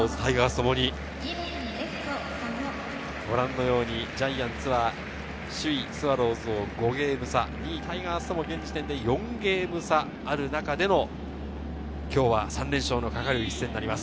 ともにご覧のようにジャイアンツは首位スワローズを５ゲーム差、２位タイガースとも現時点で４ゲーム差ある中での今日は３連勝のかかる一戦です。